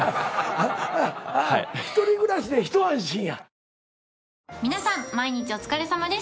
１人暮らしで一安心や。